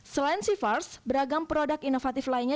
selain sea farce beragam produk inovatif lainnya